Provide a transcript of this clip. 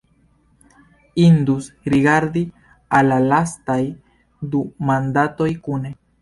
Indus rigardi al la lastaj du mandatoj kune.